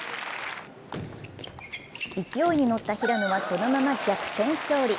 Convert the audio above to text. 勢いに乗った平野はそのまま逆転勝利。